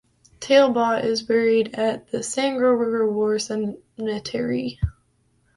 Talbot is buried at the Sangro River War Cemetery.